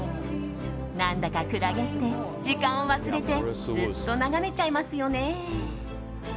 何だかクラゲって時間を忘れてずっと眺めちゃいますよね。